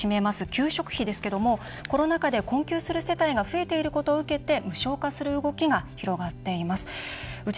給食費ですけどもコロナ禍で困窮する世帯が増えていることを受けて無償化する動きが広がっています。